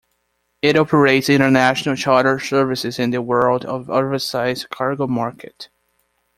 It operates international charter services in the world of oversized cargo market.